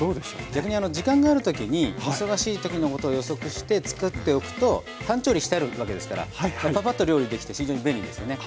逆に時間がある時に忙しい時のことを予測して作っておくと半調理してあるわけですからパパパッと料理できて非常に便利ですよね。